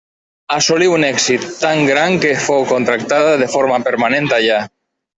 Assolí un èxit tan gran que fou contractada de forma permanent allà.